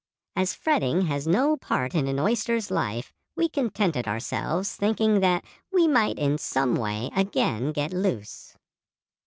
As fretting has no part in an oyster's life we contented ourselves thinking that we might in some way again get loose.